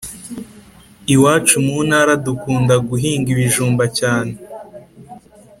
Iwacu muntara dukunda guhinga ibijumba cyane